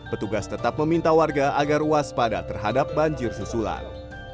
petugas tetap meminta warga agar waspada terhadap banjir susulan